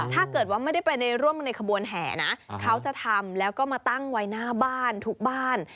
ถ้าเกิดว่าไม่ได้ไปร่วมในขบวนแห่นะเขาจะทำแล้วก็มาตั้งไว้หน้าบ้านทุกบ้าน